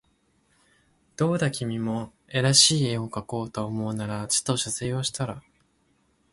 どうだ君も画らしい画をかこうと思うならちと写生をしたら